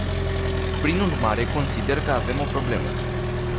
Prin urmare, consider că avem o problemă.